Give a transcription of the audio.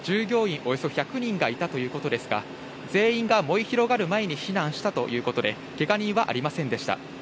およそ１００人がいたということですが、全員が燃え広がる前に避難したということで、けが人はいませんでした。